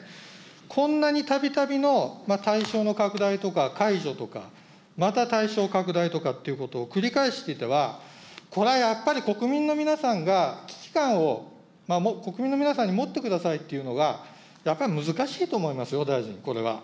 こんなにたびたびの対象の拡大とか、解除とか、また対象拡大とかっていうことを繰り返していては、それはやっぱり国民の皆さんが、危機感を、国民の皆さんに持ってくださいっていうのが、やっぱりむずかしいとおもいますよ、大臣、これは。